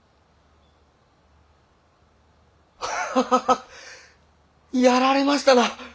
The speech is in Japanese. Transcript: ハハハハやられましたな。